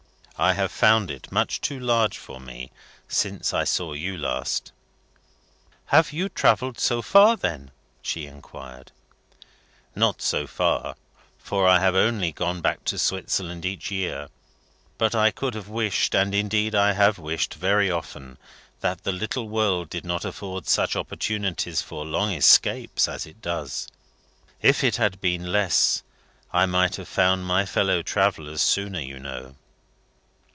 I have found it much too large for me since I saw you last." "Have you travelled so far, then?" she inquired. "Not so far, for I have only gone back to Switzerland each year; but I could have wished and indeed I have wished very often that the little world did not afford such opportunities for long escapes as it does. If it had been less, I might have found my follow travellers sooner, you know."